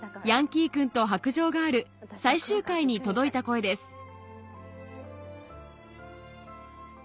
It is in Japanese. ヤンキー君と白杖ガール』最終回に届いた声です